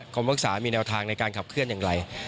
ปรึกษามีแนวทางในการขับเคลื่อนอย่างไร